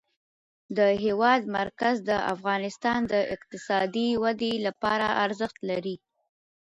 د هېواد مرکز د افغانستان د اقتصادي ودې لپاره ارزښت لري.